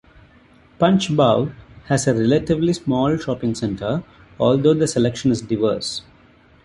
Punchbowl has a relatively small shopping centre, although the selection is diverse.